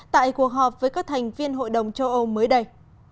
tại cuộc họp với các thành viên hội đồng châu âu mới đây